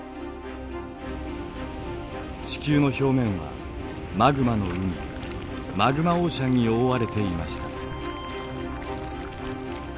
地球の表面はマグマの海マグマオーシャンに覆われていました。